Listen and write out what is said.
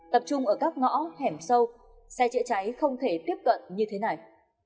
tập trung ở các ngõ hẻm sâu xe chữa cháy không thể tiếp cận như thế này